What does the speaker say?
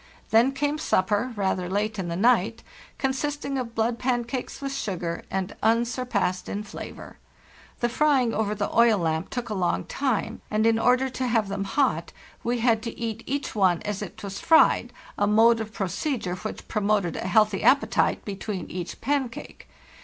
Then came supper—rather late in the night—consisting of blood pancakes with sugar, and unsurpassed in flavor. The frying over the oil lamp took a long time, and in order to have them hot we had to eat each one as it was fried, a mode of procedure which promoted a healthy appetite between each pancake.